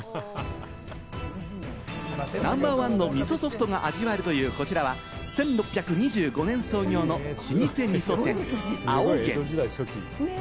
ナンバーワンの味噌ソフトが味わえるというこちらは、１６２５年創業の老舗味噌店・青源。